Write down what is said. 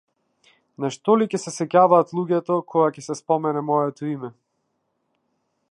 На што ли ќе се сеќаваат луѓето, кога ќе се спомене моето име?